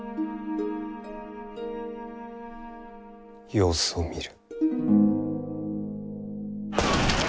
様子を見る。